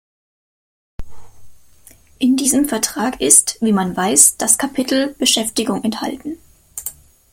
In diesem Vertrag ist wie man weiß das Kapitel "Beschäftigung" enthalten.